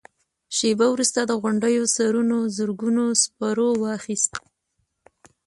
شېبه وروسته د غونډيو سرونو زرګونو سپرو واخيست.